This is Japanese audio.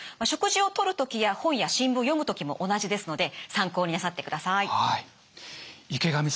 食事をとる時や本や新聞を読む時も同じですので参考になさってください。